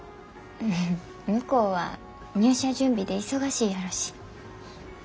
向こうは入社準備で忙しいやろし。